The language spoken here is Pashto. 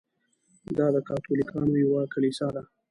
دا د کاتولیکانو یوه کلیسا ده.